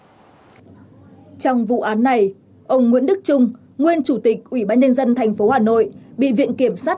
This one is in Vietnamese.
ở trong vụ án này ông nguyễn đức trung nguyên chủ tịch ủy ban nhân dân thành phố hà nội bị viện kiểm sát